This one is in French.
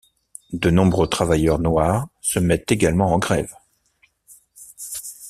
De nombreux travailleurs noirs se mettent également en grève.